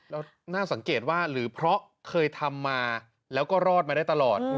แล้วน่าสังเกตว่าหรือเพราะเคยทำมาแล้วก็รอดมาได้ตลอด